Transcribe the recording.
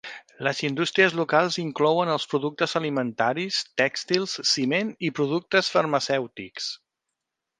Les indústries locals inclouen els productes alimentaris, tèxtils, ciment i productes farmacèutics.